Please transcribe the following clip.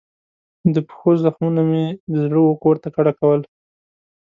د پښو زخمونو مې د زړه وکور ته کډه کول